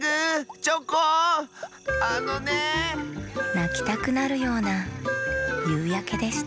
なきたくなるようなゆうやけでした